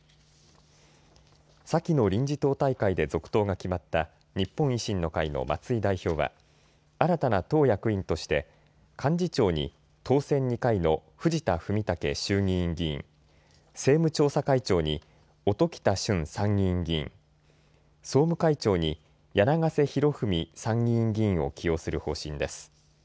先の臨時党大会で続投が決まった日本維新の会の松井代表は新たな党役員として幹事長に当選２回の藤田文武衆議院議員、政務調査会長に音喜多駿参議院議員、総務会長に柳ヶ瀬裕文参議院議員を起用する方針です。